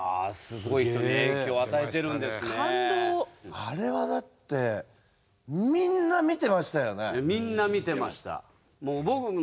あれはだってみんなみてました。